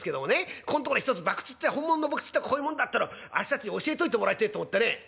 ここんとこでひとつ博打って本物の博打ってこういうもんだってのをあっしたちに教えといてもらいてえと思ってね」。